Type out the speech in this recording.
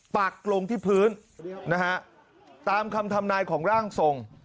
ปักลงที่พื้นนะฮะตามคำทำนายของร่างทรง